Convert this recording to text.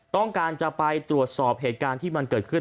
ต้องการจะไปตรวจสอบเหตุการณ์ที่มันเกิดขึ้น